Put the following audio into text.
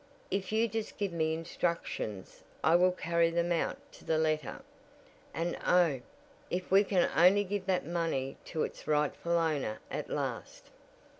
"If you just give me instructions I will carry them out to the letter. And oh! if we can only give that money to its rightful owner at last."